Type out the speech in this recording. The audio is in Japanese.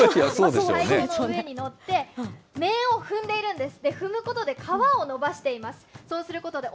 太鼓の上に乗って、面をふんでいるんです。